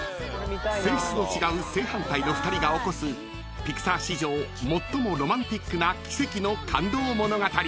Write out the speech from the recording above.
［性質の違う正反対の２人が起こすピクサー史上最もロマンチックな奇跡の感動物語］